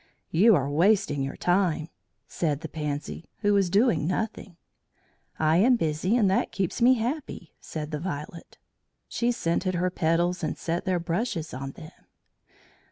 "You are wasting your time," said the Pansy, who was doing nothing. "I am busy, and that keeps me happy," said the Violet. She scented her petals and set their brushes on them.